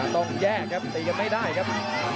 ต้องแยกครับตีกันไม่ได้ครับ